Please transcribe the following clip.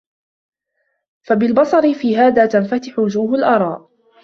فَبِالصَّبْرِ فِي هَذَا تَنْفَتِحُ وُجُوهُ الْآرَاءِ